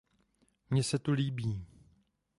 Mně se tu líbí.